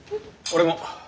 俺も。